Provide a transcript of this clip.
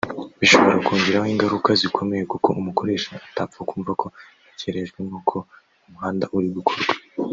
Bishobora kungiraho ingaruka zikomeye kuko umukoresha atapfa kumva ko nakerejwe n’uko umuhanda uri gukorwa